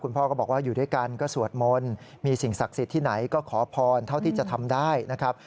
พ่อก็บอกว่าอยู่ด้วยกันก็สวดมนต์มีสิ่งศักดิ์สิทธิ์ที่ไหนก็ขอพรเท่าที่จะทำได้นะครับ